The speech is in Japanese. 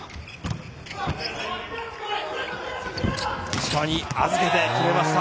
石川に預けて決めました。